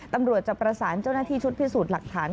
ตำรวจจะประสานเจ้าหน้าที่ชุดพิสูจน์หลักฐาน